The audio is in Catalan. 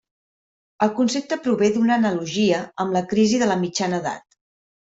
El concepte prové d'una analogia amb la crisi de la mitjana edat.